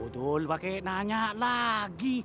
dul pake nanya lagi